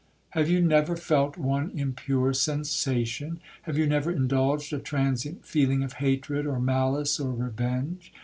—Have you never felt one impure sensation?—Have you never indulged a transient feeling of hatred, or malice, or revenge?